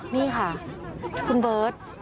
นี่ค่ะคุณเบิร์ต